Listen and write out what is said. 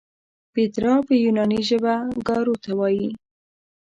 پیترا په یوناني ژبه ګارو ته وایي.